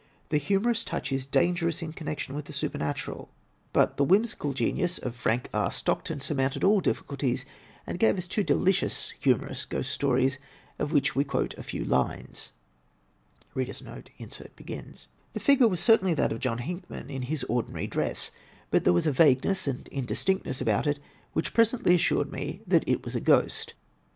The humorous touch is dan gerous in connection with the supernatural. But the whim *< i GHOST STORIES 35 sical genius of Frank R. Stockton surmounted all diflSculties and gave us two delicious humorous Ghost Stories, of which we quote a few lines. The figure was certainly that of John Hinckman in his ordinary dress, but there was a vagueness and indistinctness about it which presently assured me that it was a ghost.